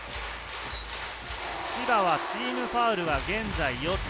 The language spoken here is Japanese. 千葉はチームファウルは現在４つ。